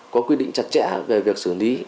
có quy định chặt chẽ về việc xử lý